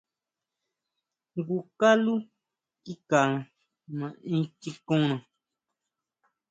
Jngu kaló kikane naʼenchikona.